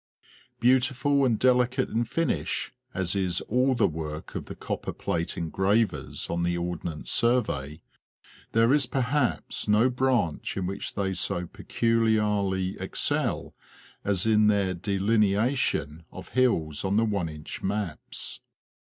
Beautiful and delicate in finish as is all the work of the copper plate engravers on the Ordnance Survey, there is perhaps no branch in which they so peculiarly excel as in their delineation of hills on the one inch maps.